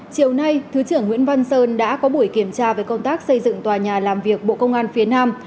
chiều nay thứ trưởng nguyễn văn sơn đã có buổi kiểm tra về công tác xây dựng tòa nhà làm việc bộ công an phía nam